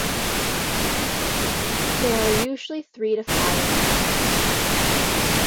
There are usually three to five in a clutch.